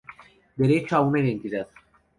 Derecho a una Identidad.